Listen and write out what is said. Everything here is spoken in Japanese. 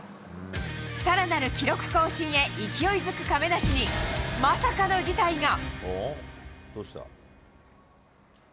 さらなる記録更新へ勢いづく亀梨にまさかの事態が。